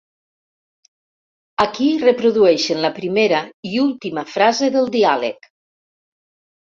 Aquí reprodueixen la primera i última frase del diàleg.